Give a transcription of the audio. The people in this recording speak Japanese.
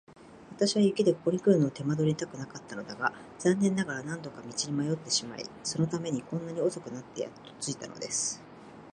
私は雪でここにくるのを手間取りたくなかったのだが、残念ながら何度か道に迷ってしまい、そのためにこんなに遅くなってやっと着いたのです。